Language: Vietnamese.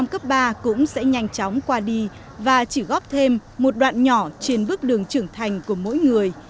cấp ba cũng sẽ nhanh chóng qua đi và chỉ góp thêm một đoạn nhỏ trên bước đường trưởng thành của mỗi người